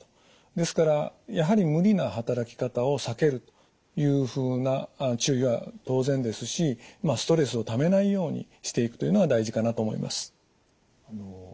ですからやはり無理な働き方を避けるというふうな注意は当然ですしまあストレスをためないようにしていくというのが大事かなと思います。